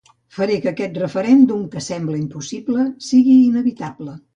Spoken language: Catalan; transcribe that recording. Faré que aquest referèndum que sembla impossible sigui inevitable.